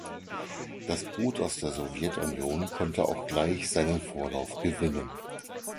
Das Boot aus der Sowjetunion konnte auch gleich seinen Vorlauf gewinnen.